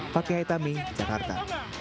pak kehai tami jakarta